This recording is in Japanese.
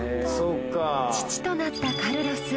父となったカルロス。